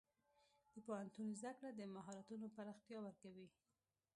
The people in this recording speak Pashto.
د پوهنتون زده کړه د مهارتونو پراختیا ورکوي.